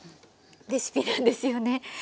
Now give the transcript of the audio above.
レシピなんですよね。